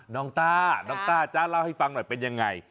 ต้าน้องต้าจ๊ะเล่าให้ฟังหน่อยเป็นยังไง